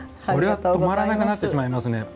これは止まらなくなってしまいますね。